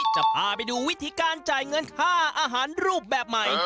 จะพาไปดูวิธีการจ่ายเงินค่าอาหารรูปแบบใหม่